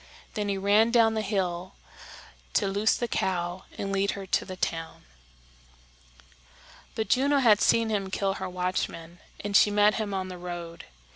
Then he ran down the hill to loose the cow and lead her to the town. But Juno had seen him kill her watchman, and she met him on the road.